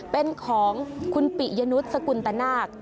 เป็นของคุณปิยนุษย์สกุลตนาค